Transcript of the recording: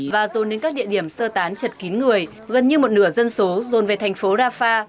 và rôn đến các địa điểm sơ tán chật kín người gần như một nửa dân số rồn về thành phố rafah